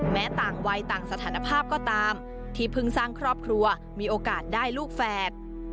แม้ต่างวัยต่างสถานภาพก็ตามที่เพิ่งสร้างครอบครัวมีโอกาสได้ลูกแฝด